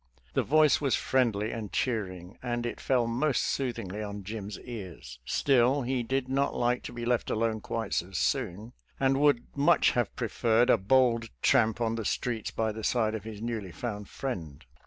The voice w9,Si friendly and cheering, and it fell most soothingly on Jim's ears. Still, he did not like to be left lalone quite so soon, and would much have preferred a bold tramp on the streets by the side of his newly found friend.